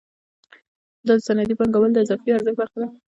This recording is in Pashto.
دا د صنعتي پانګوال د اضافي ارزښت برخه ده